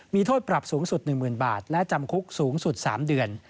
มีโทษปรับสูงสุด๑๐๐๐บาทและจำคุกสูงสุด๓เดือน